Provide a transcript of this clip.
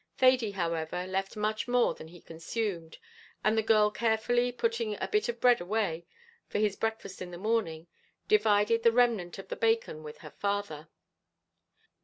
Thady, however, left much more than he consumed, and the girl carefully putting the bit of bread away, for his breakfast in the morning, divided the remnant of the bacon with her father.